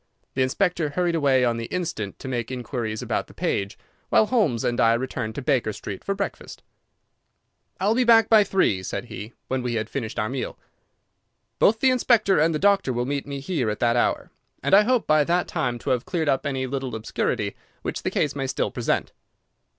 The inspector hurried away on the instant to make inquiries about the page, while Holmes and I returned to Baker Street for breakfast. "I'll be back by three," said he, when we had finished our meal. "Both the inspector and the doctor will meet me here at that hour, and I hope by that time to have cleared up any little obscurity which the case may still present."